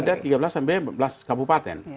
di sana sekitar ada tiga belas lima belas kabupaten